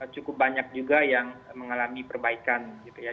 cukup banyak juga yang mengalami perbaikan gitu ya